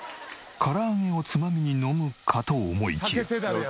唐揚げをつまみに飲むかと思いきや。